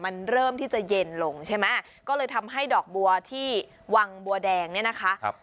มันเริ่มที่จะเย็นลงใช่ไหมก็เลยทำให้ดอกบัวที่วังบัวแดงเนี่ยนะคะ